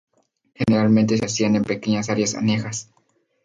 Generalmente se hacían en pequeñas áreas anejas.